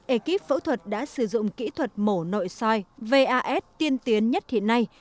ekip phẫu thuật đã sử dụng kỹ thuật mổ nội soi vas tiên tiến nhất hiện nay